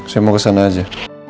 saya mau kesana aja